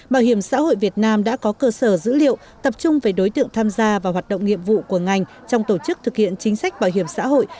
bảo hiểm xã hội việt nam đã có cơ sở dữ liệu tập trung về đối tượng tham gia và hoạt động nhiệm vụ của ngành trong tổ chức thực hiện chính sách bảo hiểm xã hội